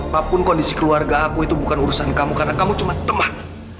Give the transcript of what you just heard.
apapun kondisi keluarga aku itu bukan urusan kamu karena kamu cuma teman